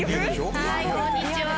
はいこんにちは。